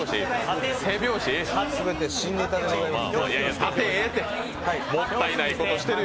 全て新ネタでございます。